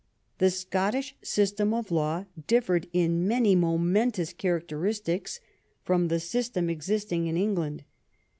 The Scottish system of law differed in many momen tous characteristics from the system existing in England.